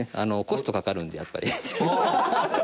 コストかかるんでやっぱり。